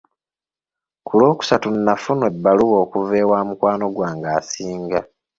Ku lw'okusatu nafuna ebbaluwa okuva ewa mukwano gwange asinga.